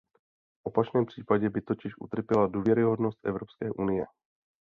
V opačném případě by totiž utrpěla důvěryhodnost Evropské unie.